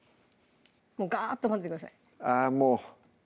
もうガーッと混ぜてくださいあぁ